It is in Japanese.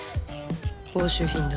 押収品だ。